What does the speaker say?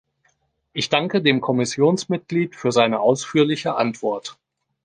Ich danke dem Kommissionsmitglied für seine ausführliche Antwort.